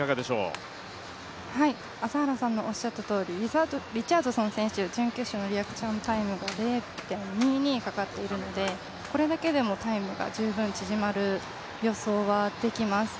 朝原さんのおっしゃったとおりリチャードソン選手、準決勝のタイムが０．０２かかっているのでこれだけでもタイムが十分縮まる予想はできます。